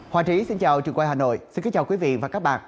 hòa trí xin chào trường quay hà nội xin kính chào quý vị và các bạn